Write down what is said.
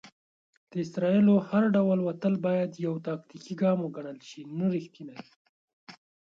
د اسرائیلو هر ډول وتل بايد يو "تاکتيکي ګام وګڼل شي، نه ريښتينی".